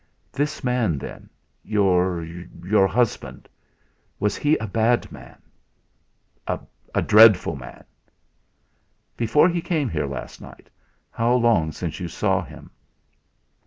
"This man, then your your husband was he a bad man?" "A dreadful man." "Before he came here last night, how long since you saw him?"